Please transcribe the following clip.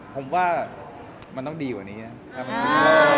ผมว่ามันต้องดีกว่านี้นะครับ